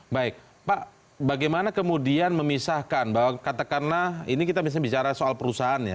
baik pak bagaimana kemudian memisahkan bahwa katakanlah ini kita misalnya bicara soal perusahaan ya